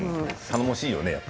頼もしいよね。